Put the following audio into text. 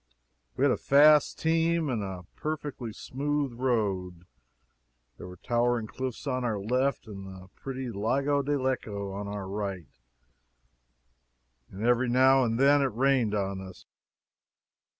We had a fast team and a perfectly smooth road. There were towering cliffs on our left, and the pretty Lago di Lecco on our right, and every now and then it rained on us.